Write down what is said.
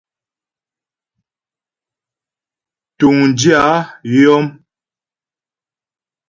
Túŋdyə̂ a yɔm.